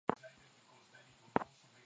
Nitakapofufuka,